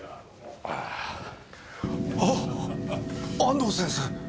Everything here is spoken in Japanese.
あっ安藤先生！？